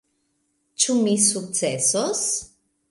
Ĉu mi sukcesos?